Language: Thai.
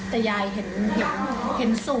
แต่ยายเห็น๐๖๓